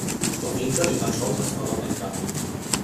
La finca ni tan sols estava tancada.